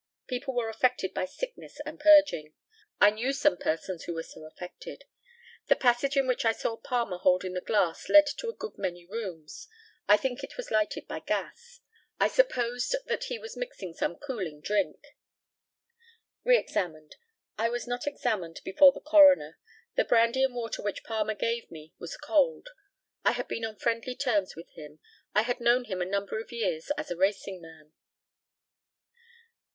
People were affected by sickness and purging. I knew some persons who were so affected. The passage in which I saw Palmer holding the glass led to a good many rooms. I think it was lighted by gas. I supposed that he was mixing some cooling drink. Re examined: I was not examined before the Coroner. The brandy and water which Palmer gave me was cold. I had been on friendly terms with him. I had known him a number of years as a racing man.